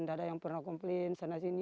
tidak ada yang pernah komplain sana sini